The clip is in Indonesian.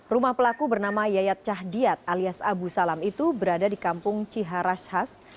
rumah pelaku bernama yayat cahdiat alias abu salam itu berada di kampung ciharashas